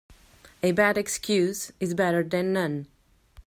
A bad excuse is better then none.